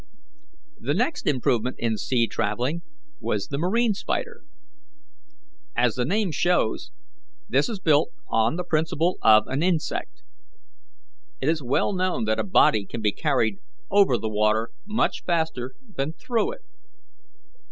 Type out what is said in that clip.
"The next improvement in sea travelling was the 'marine spider.' As the name shows, this is built on the principle of an insect. It is well known that a body can be carried over the water much faster than through it.